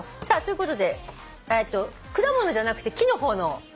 さあということで果物じゃなくて木の方の。